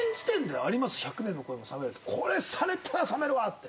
これされたら冷めるわって。